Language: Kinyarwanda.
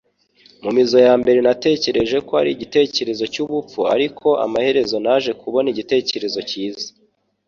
Mu mizo ya mbere natekereje ko ari igitekerezo cyubupfu ariko amaherezo naje kubona igitekerezo cyiza